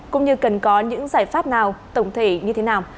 cũng như cần có những giải pháp nào tổng thể như thế nào